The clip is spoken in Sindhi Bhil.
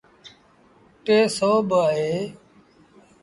ٽي سو با اهي۔